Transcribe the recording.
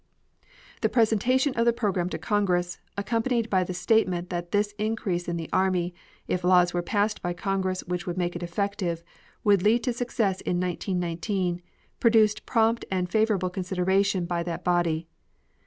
The presentation of the program to Congress, accompanied by the statement that this increase in the army, if laws were passed by Congress which would make it effective, would lead to success in 1919, produced prompt and favorable consideration by that body.